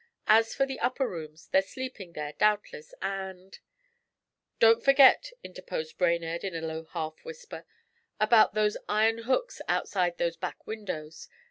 As for the upper rooms, they're sleeping there doubtless, and ' 'Don't forget,' interposed Brainerd in a low half whisper, 'about those iron hooks outside those back windows.